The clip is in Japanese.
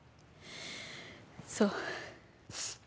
そう。